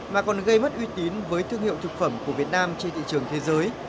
mà còn gây mất uy tín với thương hiệu thực phẩm của việt nam trên thị trường thế giới